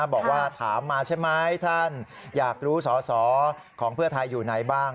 บอกว่าถามมาใช่ไหมท่านอยากรู้สอสอของเพื่อไทยอยู่ไหนบ้าง